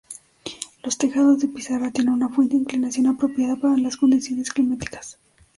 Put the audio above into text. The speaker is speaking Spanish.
Los tejados de pizarra tienen una fuerte inclinación apropiada a las condiciones climáticas.